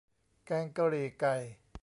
แกงกะหรี่ไก่